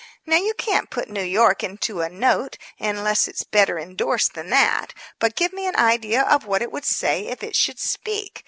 Now, you can't put New York into a note unless it's better indorsed than that. But give me an idea of what it would say if it should speak.